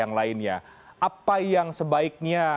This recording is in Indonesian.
yang lainnya apa yang sebaiknya